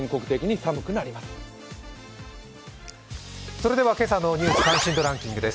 それでは今朝の「ニュース関心度ランキング」です。